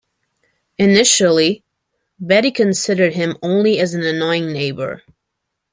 Initially, Betty considered him only as an annoying neighbor.